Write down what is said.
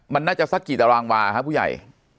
มันน่าจะสักกี่ตารางวาครับผู้ใหญ่